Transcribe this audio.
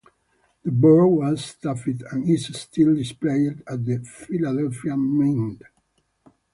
The bird was stuffed, and is still displayed at the Philadelphia Mint.